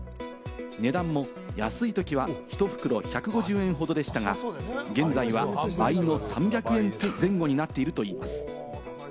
値段も安いときは１袋１５０円ほどでしたが、現在は倍の３００円前後になっているといいます。